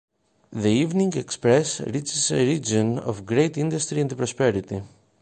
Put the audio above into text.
The Evening Express reaches a region of great industry and prosperity.